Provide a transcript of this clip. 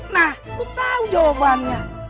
nah lu tau jawabannya